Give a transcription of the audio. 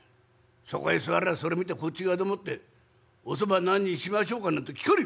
そこへ座りゃあそれ見てこっち側でもって『おそば何にしましょうか？』なんて聞かねえよ！